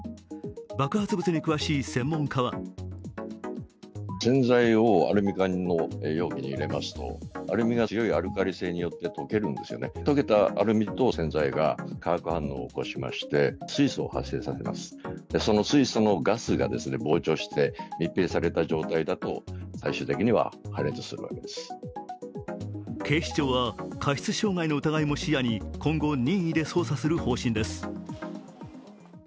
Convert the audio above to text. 爆発物に詳しい専門家は警視庁は過失傷害の疑いも視野に今後任意で捜査する方針です。